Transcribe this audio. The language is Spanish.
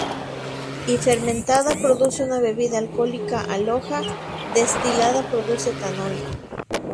Y fermentada produce una bebida alcohólica aloja; destilada produce etanol.